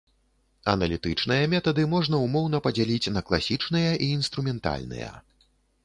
Аналітычныя метады можна ўмоўна падзяліць на класічныя і інструментальныя.